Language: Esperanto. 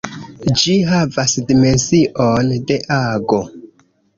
Ĝi havas dimension de ago.